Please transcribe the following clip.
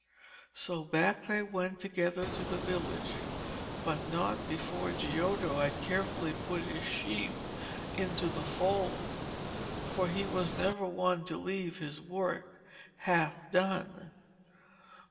So back they went together to the village, but not before Giotto had carefully put his sheep into the fold, for he was never one to leave his work half done.